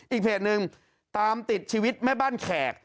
อีกเพจหนึ่งตามติดชีวิตแม่บ้านแขก